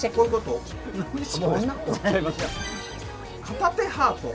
片手ハート。